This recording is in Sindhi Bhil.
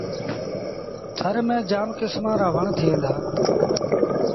ٿر ميݩ جآم ڪسمآݩ رآ وڻ ٿئيٚݩ دآ۔